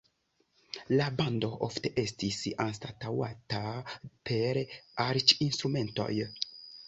La bando ofte estis anstataŭata per arĉinstrumentoj.